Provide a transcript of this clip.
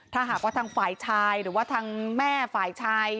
ถ้าหากว่าทางฝ่ายชายหรือว่าทางแม่ฝ่ายชาย